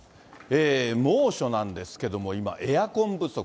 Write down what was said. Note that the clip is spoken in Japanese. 猛暑なんですけども、今、エアコン不足。